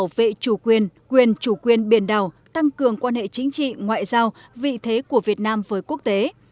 về chủ quyền quyền chủ quyền biển đảo tăng cường quan hệ chính trị ngoại giao vị thế của việt nam với quốc tế